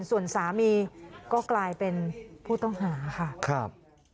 ส่วนสามีก็กลายเป็นผู้ต้องหาค่ะครับ